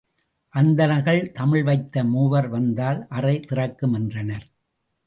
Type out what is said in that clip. அந்தணர்கள், தமிழ் வைத்த மூவர் வந்தால் அறை திறக்கும் என்றனர்.